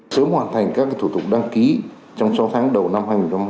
sớm hoàn thành các thủ tục đăng ký trong sáu tháng đầu năm hai nghìn hai mươi